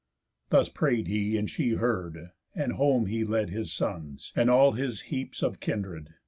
Thus pray'd he, and she heard; and home he led His sons, and all his heaps of kindered.